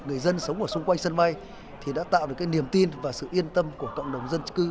người dân sống ở xung quanh sân bay thì đã tạo được cái niềm tin và sự yên tâm của cộng đồng dân cư